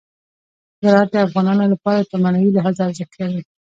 زراعت د افغانانو لپاره په معنوي لحاظ ارزښت لري.